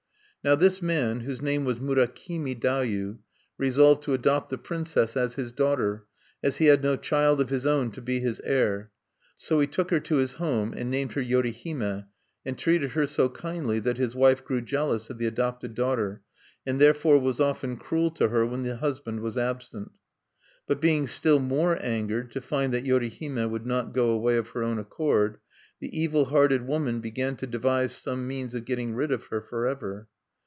Now this man, whose name was Murakimi Dayu, resolved to adopt the princess as his daughter as he had no child of his own to be his heir. So he took her to his home, and named her Yorihime, and treated her so kindly that his wife grew jealous of the adopted daughter, and therefore was often cruel to her when the husband was absent. But being still more angered to find that Yorihime would not go away of her own accord, the evil hearted woman began to devise some means of getting rid of her forever.